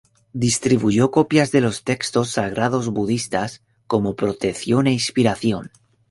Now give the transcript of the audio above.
Distribuyó copias de los textos sagrados budistas como protección e inspiración.